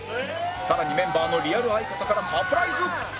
さらにメンバーのリアル相方からサプライズ！